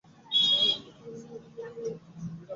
Rashedul Karim cigarette ধরিয়েই কথা বলা শুরু করলেন।